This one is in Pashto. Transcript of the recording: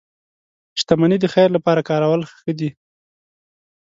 • شتمني د خیر لپاره کارول ښه دي.